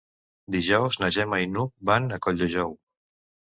Dijous na Gemma i n'Hug van a Colldejou.